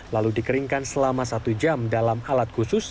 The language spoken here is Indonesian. lalu dikeringkan selama satu jam dalam alat khusus